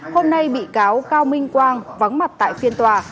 hôm nay bị cáo cao minh quang vắng mặt tại phiên tòa